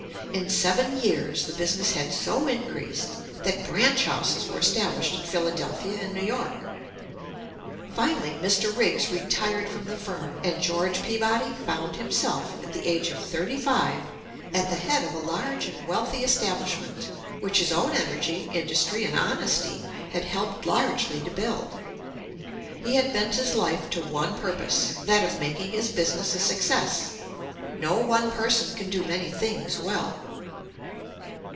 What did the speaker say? In seven years the business had so increased, that branch houses were established in Philadelphia and New York. Finally Mr. Riggs retired from the firm; and George Peabody found himself, at the age of thirty five, at the head of a large and wealthy establishment, which his own energy, industry, and honesty had helped largely to build. He had bent his life to one purpose, that of making his business a success. No one person can do many things well.